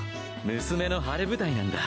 娘の晴れ舞台なんだ。